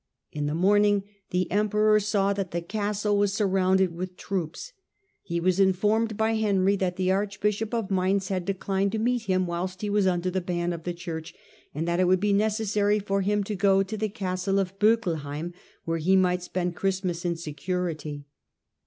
In the morning the emperor saw that the castle was surrounded with troops : he was informed by Henry that the archbishop of Mainz had declined to meet him whilst he was under the ban of the Church, and that it would be necessary for him to go to the The em castlo of BSckelhoim, where he might spend ^'ned at Ohristmas in security.